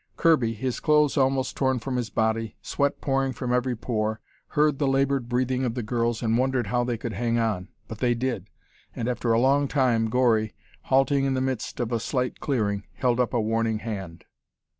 Kirby, his clothes almost torn from his body, sweat pouring from every pore, heard the labored breathing of the girls, and wondered how they could hang on. But they did, and after a long time, Gori, halting in the midst of a slight clearing, held up a warning hand.